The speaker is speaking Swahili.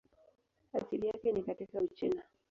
Asili yake ni katika Uchina.